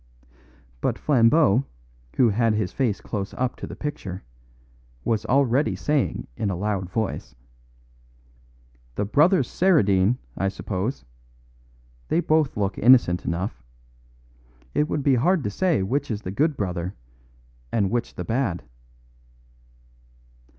But Flambeau, who had his face close up to the picture, was already saying in a loud voice, "The brothers Saradine, I suppose. They both look innocent enough. It would be hard to say which is the good brother and which the bad."